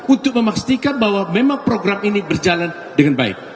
untuk memastikan bahwa memang program ini berjalan dengan baik